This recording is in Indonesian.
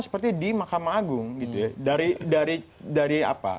seperti di mahkamah agung gitu ya